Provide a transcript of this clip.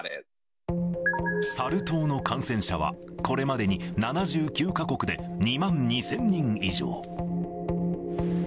サル痘の感染者はこれまでに７９か国で２万２０００人以上。